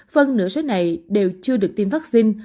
phần nửa số này đều chưa được tiêm vaccine